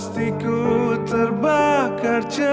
cepat berbaikan lagi ya